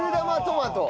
トマト。